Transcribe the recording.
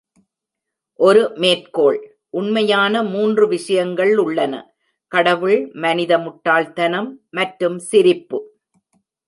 ஒரு மேற்கோள்: உண்மையான மூன்று விஷயங்கள் உள்ளன: கடவுள், மனித முட்டாள்தனம் மற்றும் சிரிப்பு.